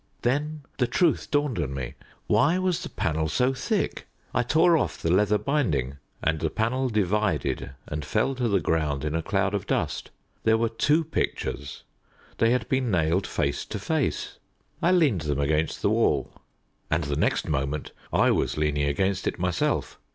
Then the truth dawned on me. Why was the panel so thick? I tore off the leather binding, and the panel divided and fell to the ground in a cloud of dust. There were two pictures they had been nailed face to face. I leaned them against the wall, and the next moment I was leaning against it myself.